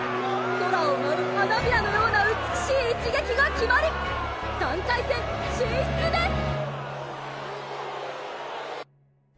空を舞う花びらのような美しい一撃が決まり３回戦進出です！